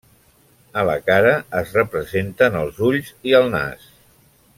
A la cara es representen els ulls i el nas.